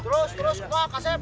terus terus rumah kasep